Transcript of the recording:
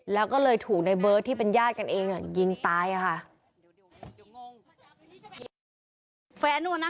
แล้วก็เลยถูกในเบิร์ตที่เป็นญาติกันเองยิงตายค่ะ